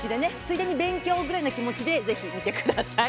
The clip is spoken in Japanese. ついでに勉強ぐらいな気持ちで是非見てください。